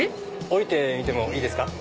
降りてみてもいいですか？